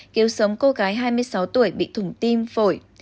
cứu sống cô gái hai mươi sáu tuổi bị thủng tim phổi